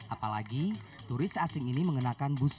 apalagi turis asing ini mengenakan bus